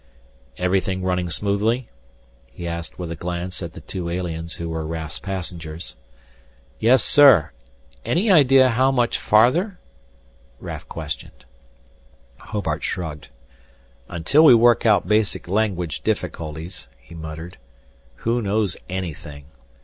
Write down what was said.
"Everything running smoothly?" he asked with a glance at the two aliens who were Raf's passengers. "Yes, sir. Any idea how much farther ?" Raf questioned. Hobart shrugged. "Until we work out basic language difficulties," he muttered, "who knows anything?